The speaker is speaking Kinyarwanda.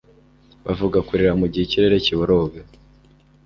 bavuga kurira mugihe ikirere kiboroga